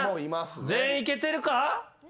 全員いけてるか？